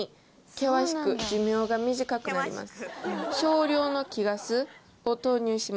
けわしく寿命が短くなります。